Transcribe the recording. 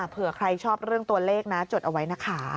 เผื่อใครชอบเรื่องตัวเลขนะจดเอาไว้นะคะ